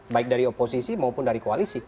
baik dari oposisi maupun dari koalisi